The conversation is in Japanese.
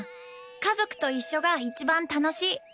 家族と一緒が一番楽しい